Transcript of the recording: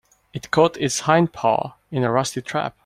It caught its hind paw in a rusty trap.